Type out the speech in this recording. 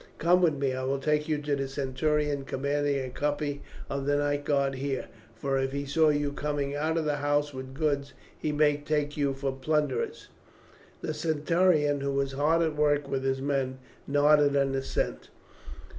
Come with me, I will take you to the centurion commanding a company of the Night Guard here, for if he saw you coming out of the house with goods he might take you for plunderers." The centurion, who was hard at work with his men, nodded an assent.